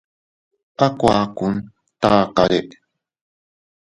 A kuakun takare.